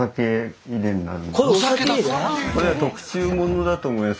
これは特注ものだと思います。